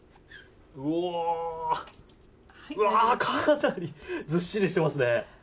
うわあかなりずっしりしてますね。